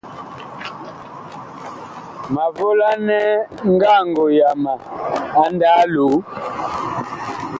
Ma volanɛ ngango yama a ndaa loo.